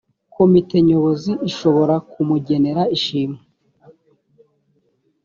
komite nyobozi ishobora kumugenera ishimwe